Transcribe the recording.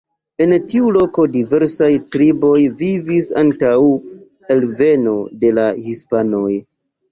En tiu loko diversaj triboj vivis antaŭ alveno de la hispanoj.